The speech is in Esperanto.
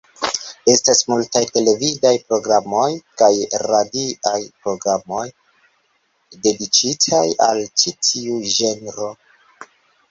Estas multaj televidaj programoj kaj radiaj programoj dediĉitaj al ĉi tiu ĝenro.